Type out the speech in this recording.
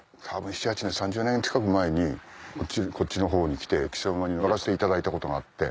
２７２８年３０年近く前にこっちの方に来て木曽馬に乗らせていただいたことがあって。